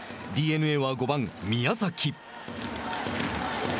ＤｅＮＡは、５番宮崎。